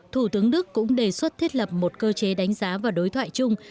thủ tướng đức cũng đề xuất thiết lập một cơ chế đánh giá và đối thoại chung